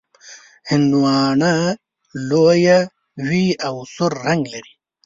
هندواڼه لویه وي او سور رنګ لري.